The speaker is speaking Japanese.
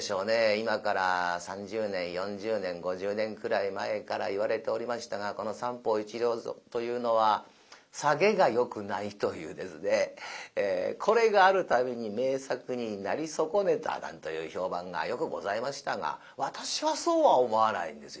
今から３０年４０年５０年くらい前から言われておりましたがこの「三方一両損」というのはサゲがよくないというですねこれがあるために名作になり損ねたなんという評判がよくございましたが私はそうは思わないんですよ。